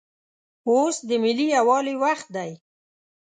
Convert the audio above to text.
اوس دملي یووالي وخت دی